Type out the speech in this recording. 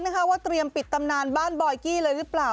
ว่าเตรียมปิดตำนานบ้านบอยกี้เลยหรือเปล่า